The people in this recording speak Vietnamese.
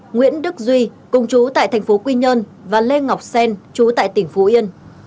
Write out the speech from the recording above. nguyễn đức duy cùng chú tại tp quy nhơn và lê ngọc sen chú tại tp yên